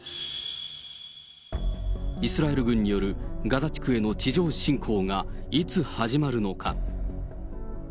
イスラエル軍によるガザ地区への地上侵攻がいつ始まるのか。